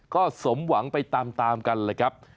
ก็สมหวังไปตามกันเลยครับ